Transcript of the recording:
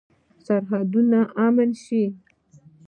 سرحدونه باید امن شي